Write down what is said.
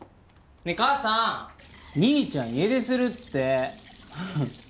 ねえ母さん兄ちゃん家出するって。